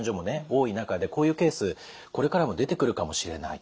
多い中でこういうケースこれからも出てくるかもしれない。